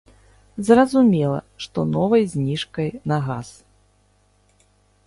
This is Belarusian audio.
Зразумела, што новай зніжкай на газ.